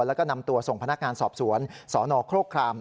แล้วก็นำตัวส่งพนักงานสอบสวนสนโครคราม